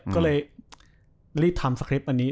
ก็เลยรีบทำสคริปต์อันนี้